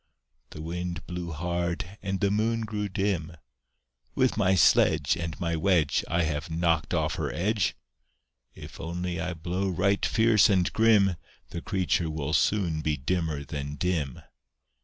The Wind blew hard, and the Moon grew dim. "With my sledge And my wedge I have knocked off her edge! If only I blow right fierce and grim, The creature will soon be dimmer than dim."